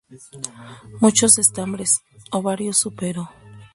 Muchos estambres, ovario súpero.